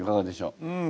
うん。